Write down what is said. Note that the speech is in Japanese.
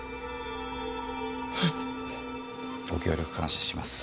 ご協力感謝します。